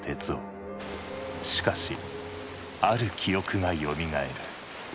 しかしある記憶がよみがえる。